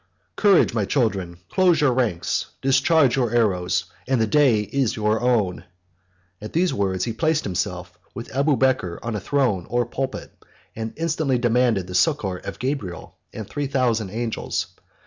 —Courage, my children; close your ranks; discharge your arrows, and the day is your own." At these words he placed himself, with Abubeker, on a throne or pulpit, 130 and instantly demanded the succor of Gabriel and three thousand angels.